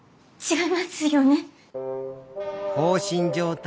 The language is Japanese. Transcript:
違いますよね？